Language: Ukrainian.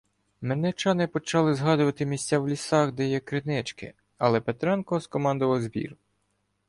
Мельничани почали згадувати місця в лісах, де є кринички, але Петренко закомандував збір.